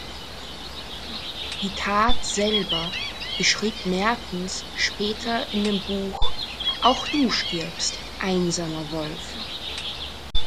Die Tat selber beschrieb Mertens später in dem Buch "Auch du stirbst, einsamer Wolf".